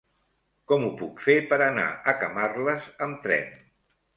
Com ho puc fer per anar a Camarles amb tren?